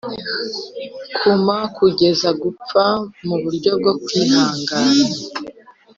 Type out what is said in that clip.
kuma kugeza gupfa muburyo bwo kwihangana